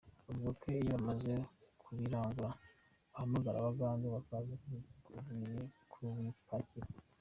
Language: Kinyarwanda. Avuga ko iyo bamaze kubirangura, bahamagara Abagande, bakaza kubipakira.